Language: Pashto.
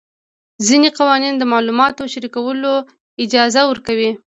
ځینې قوانین د معلوماتو شریکولو اجازه ورکوي.